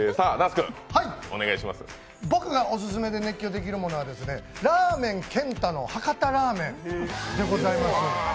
僕がオススメで熱狂できるものは、ラーメン健太の博多ラーメンでございます。